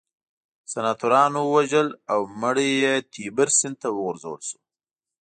سناتورانو ووژل او مړی یې تیبر سیند ته وغورځول شو